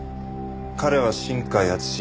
彼は新海敦。